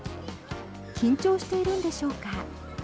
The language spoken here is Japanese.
緊張しているんでしょうか。